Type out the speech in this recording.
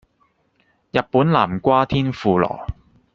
日本南瓜天婦羅